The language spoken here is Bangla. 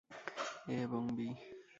এ এবং বি।